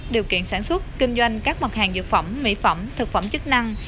điều kiện sản xuất kinh doanh các mặt hàng dược phẩm mỹ phẩm thực phẩm chức năng